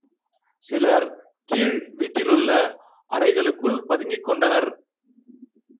சிலர் கீழ் வீட்டிலுள்ள அறைகளுக்குள் பதுங்கிக் கொண்டனர்.